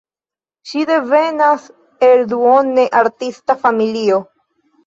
Ŝi devenas el duone artista familio.